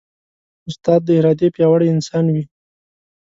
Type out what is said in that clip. استاد د ارادې پیاوړی انسان وي.